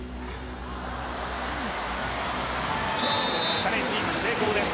チャレンジ成功です。